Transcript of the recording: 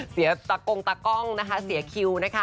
เสียตะกงตากล้องนะคะเสียคิวนะคะ